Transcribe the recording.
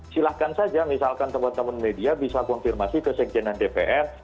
silahkan saja misalkan teman teman media bisa konfirmasi ke sekjenan dpr